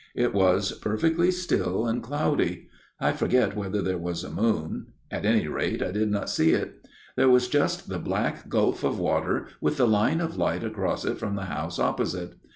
It was perfectly still and cloudy. I forget whether there was a moon. At any rate I did not see it. There was just the black gulf of water, with the line of light across it from the house opposite.